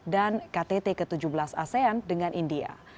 dan ktt ke tujuh belas asean dengan india